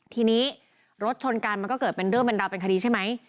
ทีนี้รถชนกันมันก็เกิดเป็นเรื่องเป็นราวเป็นคดีใช่ไหม